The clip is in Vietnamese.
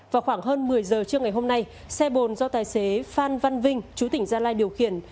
vào khoảng hơn một mươi giờ trước ngày hôm nay xe bồn do tài xế phan văn vinh chú tỉnh gia lai điều khiển